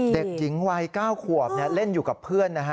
เด็กหญิงวัย๙ขวบเล่นอยู่กับเพื่อนนะฮะ